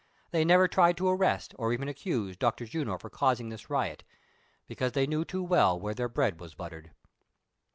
They never tried to arrest, or even accuse, Dr. Juno for causing this riot ; because they knew too well where their bread was buttered.